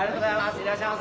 いらっしゃいませ！